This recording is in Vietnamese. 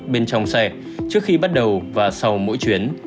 bên trong xe trước khi bắt đầu và sau mỗi chuyến